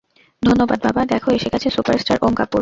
ধন্যবাদ, বাবা, দেখ, এসেগেছে সুপারস্টার ওম কাপুর।